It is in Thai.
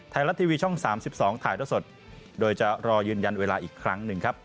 ไทยรัฐทีวีช่อง๓๒ถ่ายเท่าสดโดยจะรอยืนยันเวลาอีกครั้งหนึ่งครับ